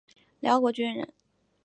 辽国军人。